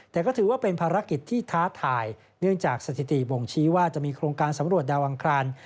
แต่ก็ถือว่าเป็นภารกิจที่ท้าทายเนื่องจากสถิติบ่งชี้ว่าจะมีโครงการสำรวจดาวอังคาร